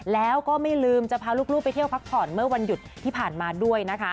แล้วก็ไม่ลืมจะพาลูกไปเที่ยวพักผ่อนเมื่อวันหยุดที่ผ่านมาด้วยนะคะ